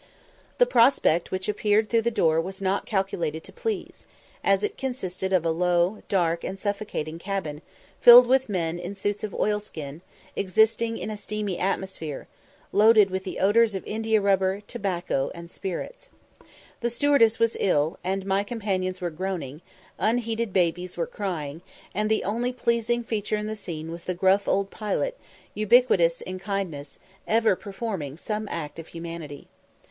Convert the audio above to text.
The prospect which appeared through the door was not calculated to please, as it consisted of a low, dark, and suffocating cabin, filled with men in suits of oilskin, existing in a steamy atmosphere, loaded with the odours of india rubber, tobacco, and spirits. The stewardess was ill, and my companions were groaning; unheeded babies were crying; and the only pleasing feature in the scene was the gruff old pilot, ubiquitous in kindness, ever performing some act of humanity.